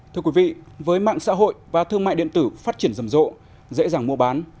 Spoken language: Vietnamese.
thưa quý vị với mạng xã hội và thương mại điện tử phát triển rầm rộ dễ dàng mua bán